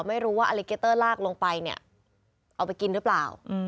ไม่รู้ว่าอลิเกเตอร์ลากลงไปเนี่ยเอาไปกินหรือเปล่า